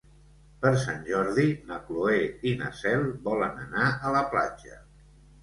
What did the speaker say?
Per Sant Jordi na Cloè i na Cel volen anar a la platja.